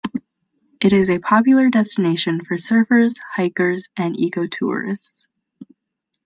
It is a popular destination for surfers, hikers and ecotourists.